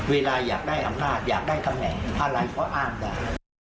เวลาอยากได้อำนาจอยากได้ตำแหน่งอะไรก็อ้างได้